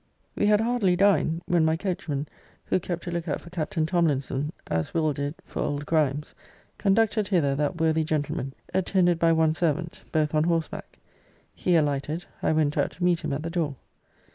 ] We had hardly dined, when my coachman, who kept a look out for Captain Tomlinson, as Will. did for old Grimes, conducted hither that worthy gentleman, attended by one servant, both on horseback. He alighted. I went out to meet him at the door.